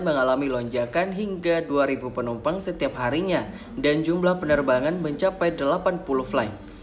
mengalami lonjakan hingga dua penumpang setiap harinya dan jumlah penerbangan mencapai delapan puluh flight